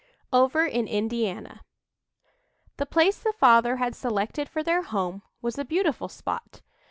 OVER IN INDIANA The place the father had selected for their home was a beautiful spot.